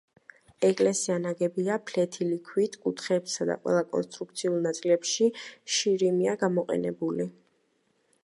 ეკლესია ნაგებია ფლეთილი ქვით, კუთხეებსა და ყველა კონსტრუქციულ ნაწილებში შირიმია გამოყენებული.